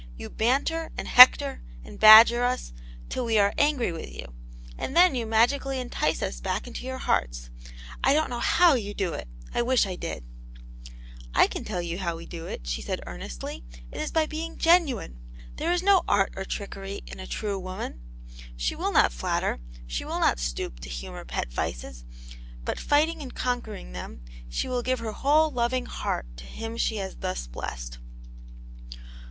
"You banter, and hector, and badger us till we are angry with you, and then you magically entice us back into your hearts. I don't know how you do it ; I wish I did." " I can tell you how we do it," she said earnestly. " It is by being gc.iuine. There is no art or trickery in a true woman. She will not flatter, she will not stoop to humour pet vices, but fighting and conquering them, she will give her whole loving heart to him she has thus blessed."